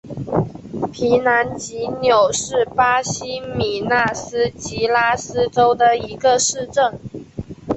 皮兰吉纽是巴西米纳斯吉拉斯州的一个市镇。